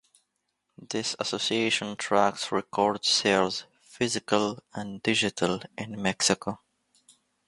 This association tracks record sales (physical and digital) in Mexico.